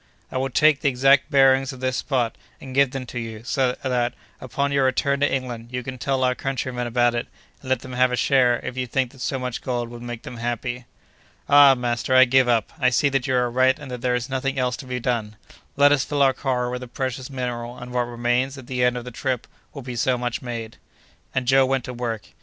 I will take the exact bearings of this spot, and give them to you, so that, upon your return to England, you can tell our countrymen about it, and let them have a share, if you think that so much gold would make them happy." "Ah! master, I give up; I see that you are right, and that there is nothing else to be done. Let us fill our car with the precious mineral, and what remains at the end of the trip will be so much made." And Joe went to work.